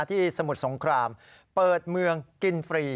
สมุทรสงครามเปิดเมืองกินฟรี